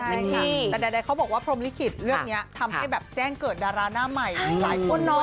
ใช่ค่ะแต่ใดเขาบอกว่าพรมลิขิตเรื่องนี้ทำให้แบบแจ้งเกิดดาราหน้าใหม่หลายคนเนาะ